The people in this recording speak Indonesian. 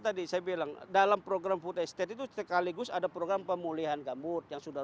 tadi saya bilang dalam program food estate itu sekaligus ada program pemulihan gambut yang sudah